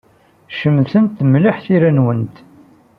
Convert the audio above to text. Cemtent mliḥ tira-nwent.